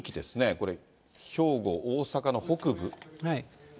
これ、兵庫、大阪の北部。